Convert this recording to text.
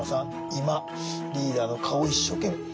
今リーダーの顔を一生懸命。